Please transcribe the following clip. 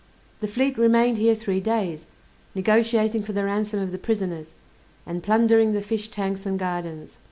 The fleet remained here three days, negotiating for the ransom of the prisoners, and plundering the fish tanks and gardens.